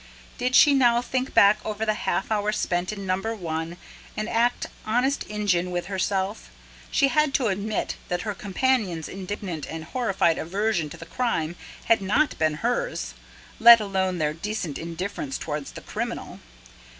Did she now think back over the half hour spent in Number One, and act honest Injun with herself, she had to admit that her companions' indignant and horrified aversion to the crime had not been hers, let alone their decent indifference towards the criminal.